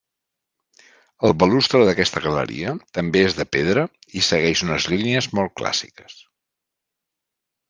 El balustre d'aquesta galeria també és de pedra i segueix unes línies molt clàssiques.